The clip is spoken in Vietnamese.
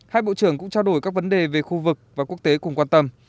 hai bộ trưởng cũng trao đổi các vấn đề về khu vực và quốc tế cùng quan tâm